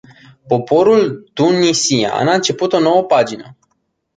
Poporul tunisian a început o nouă pagină.